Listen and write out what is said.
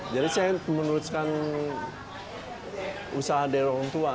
jadi saya menurutkan usaha dari orang tua